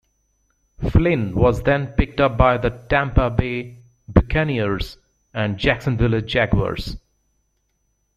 Flynn was then picked up by the Tampa Bay Buccaneers and Jacksonville Jaguars.